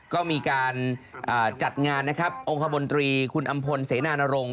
ก็มีการจัดงานนะครับองค์คบนตรีคุณอำพลเสนานรงค